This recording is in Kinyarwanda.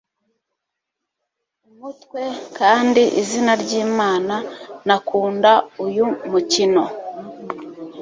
umutwe, kandi, izina ry'imana! nakunda uyu mukino